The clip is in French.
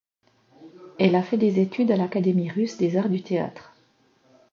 Elle a fait des études à l'Académie russe des arts du théâtre.